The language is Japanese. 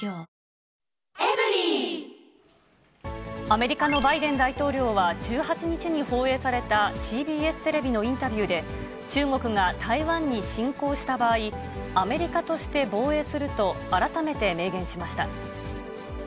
アメリカのバイデン大統領は、１８日に放映されたＣＢＳテレビのインタビューで、中国が台湾に侵攻した場合、アメリカとして防衛すると、改めて明言しました。